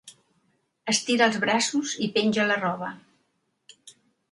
Estira els braços i penja la roba.